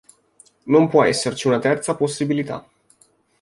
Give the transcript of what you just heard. Non può esserci una terza possibilità.